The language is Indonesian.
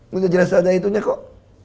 minta jelas ada itunya kok